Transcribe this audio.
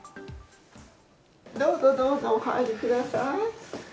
どうぞ、どうぞ、お入りください。